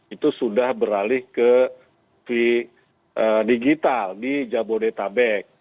itu sudah beralih ke digital di jabodetabek